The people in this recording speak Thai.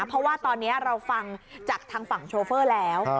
เพราะว่าตอนนี้เราฟังจากทางฝั่งโชเฟอร์แล้ว